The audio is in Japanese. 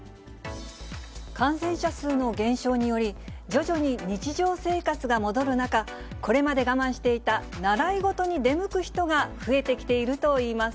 感染者数の減少により、徐々に日常生活が戻る中、これまで我慢していた習い事に出向く人が増えてきているといいます。